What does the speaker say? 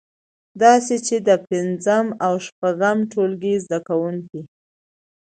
داسې چې د پنځم او شپږم ټولګي زده کوونکی